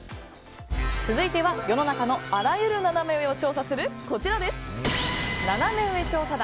続いては世の中のあらゆるナナメ上を調査するナナメ上調査団。